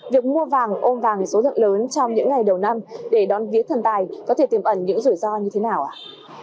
việc mua vàng ôm vàng số lượng lớn trong những ngày đầu năm để đón vía thần tài có thể tiềm ẩn những rủi ro như thế nào ạ